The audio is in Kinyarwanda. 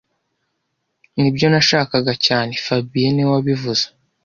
Nibyo nashakaga cyane fabien niwe wabivuze